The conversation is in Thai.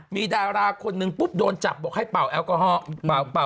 มีดาราคนหนึ่งปุ๊บโดนจับบอกให้เป่าแอลกอฮอล์เป่า